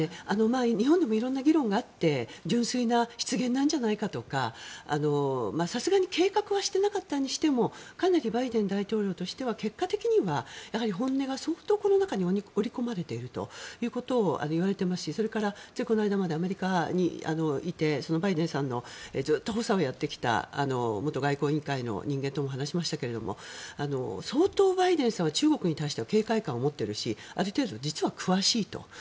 日本でも色々な議論があって純粋な失言なんじゃないかとかさすがに計画はしていなかったにしてもかなりバイデン大統領としては結果的には本音が相当この中に織り込まれているということを言われていますしそれからついこの間までアメリカにいてバイデンさんのずっと補佐をやってきた元外交委員会の人間とも話しましたが相当バイデンさんは中国に対しては警戒感を持っているしある程度、実は詳しいと。